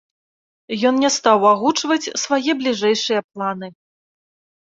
Ён не стаў агучваць свае бліжэйшыя планы.